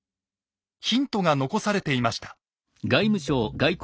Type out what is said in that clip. ヒントが残されていました。